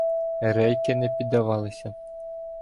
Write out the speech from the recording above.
Рейки не піддавалися.